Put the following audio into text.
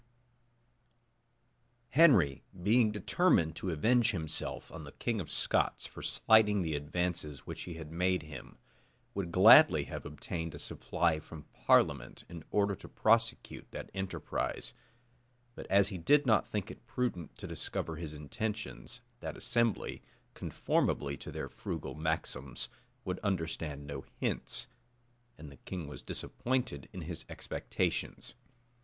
} Henry, being determined to avenge himself on the king of Scots for slighting the advances which he had made him, would gladly have obtained a supply from parliament, in order to prosecute that enterprise; but as he did not think it prudent to discover his intentions, that assembly, conformably to their frugal maxims, would understand no hints; and the king was disappointed in his expectations.